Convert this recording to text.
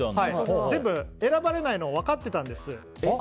全部選ばれないのを分かってたんです。